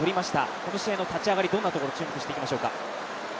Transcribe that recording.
この試合の立ち上がり、どんなところに注目していきましょうか？